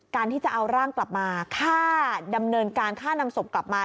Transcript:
ที่จะเอาร่างกลับมาค่าดำเนินการค่านำศพกลับมา